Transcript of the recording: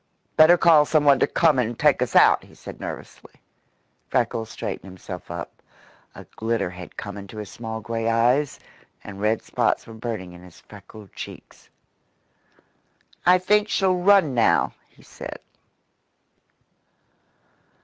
"Better call someone to come and take us out," he said nervously. Freckles straightened himself up. A glitter had come into his small grey eyes, and red spots were burning in his freckled cheeks. "I think she'll run now," he said.